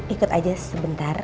ikut aja sebentar